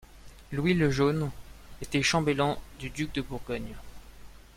Louis Le Josne était chambellan du duc de Bourgogne.